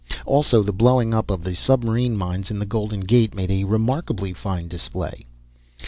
Also, the blowing up of the submarine mines in the Golden Gate made a remarkably fine display.